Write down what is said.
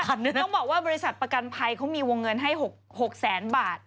ต้องบอกว่าบริษัทประกันภัยเขามีวงเงินให้๖แสนบาท